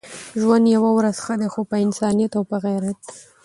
ژوند يوه ورځ ښه دی خو په انسانيت او په غيرت.